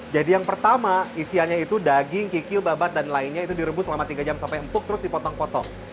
jadi yang pertama isiannya itu daging kikil babat dan lainnya itu direbus selama tiga jam sampai empuk terus dipotong potong